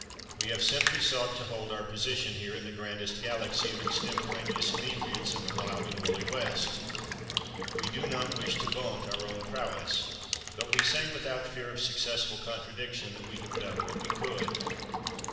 We have simply sought to hold our position here in the grandest galaxy of extemporaneous inebriates in the wild and woolly West. We do not wish to vaunt our own prowess, but we say, without fear of successful contradiction, that we have done what we could.